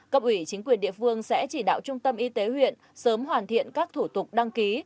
cấp ủy chính quyền địa phương sẽ chỉ đạo trung tâm y tế huyện sớm hoàn thiện các thủ tục đăng ký